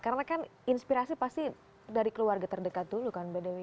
karena kan inspirasi pasti dari keluarga terdekat dulu kan mbak dewi